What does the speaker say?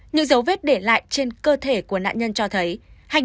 những dấu vết để lại trên cơ thể của nạn nhân cho thấy